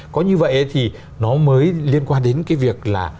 có như vậy thì nó mới liên quan đến cái việc là